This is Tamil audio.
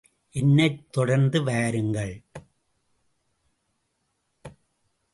என்னைத் தொடர்ந்து வாருங்கள்.